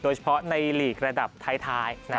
โดยเฉพาะในหลีกระดับท้าย